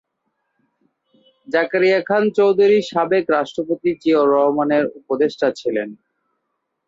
জাকারিয়া খান চৌধুরী সাবেক রাষ্ট্রপতি জিয়াউর রহমানের উপদেষ্টা ছিলেন।